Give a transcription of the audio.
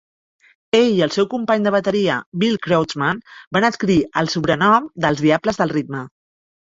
Ell i el seu company de bateria Bill Kreutzmann van adquirir el sobrenom de "els diables del ritme".